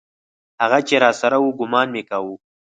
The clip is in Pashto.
هغه چې راسره و ګومان مې کاوه.